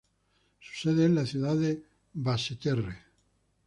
Su sede es la ciudad de Basseterre.